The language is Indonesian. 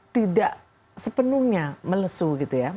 tidak sepenuhnya melesuh gitu ya